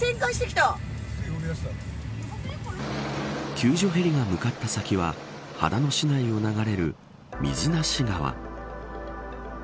救助ヘリが向かった先は秦野市内を流れる水無川。